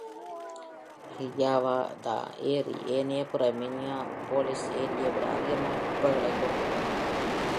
ஹியாவதா ஏரி ஏனைய பிற மினியாபோலிஸ் ஏரியை விட அதிகமான குப்பைகளைக் கொண்டுள்ளது.